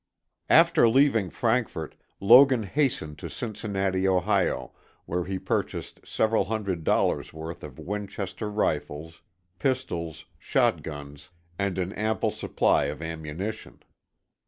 After leaving Frankfort, Logan hastened to Cincinnati, Ohio, where he purchased several hundred dollars' worth of Winchester rifles, pistols, shotguns, and an ample supply of ammunition.